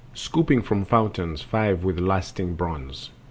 Scooping from fountains five with lasting bronze.